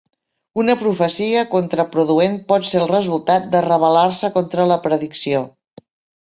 Una profecia contraproduent pot ser el resultat de rebel·lar-se contra la predicció.